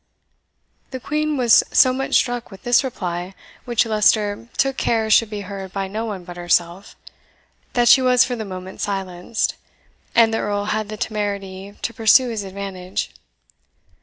The Queen was so much struck with this reply, which Leicester took care should be heard by no one but herself, that she was for the moment silenced, and the Earl had the temerity to pursue his advantage.